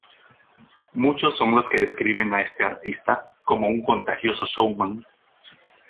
Muchos son los que describen a este artista como un contagioso showman.